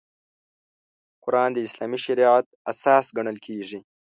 قران د اسلامي شریعت اساس ګڼل کېږي.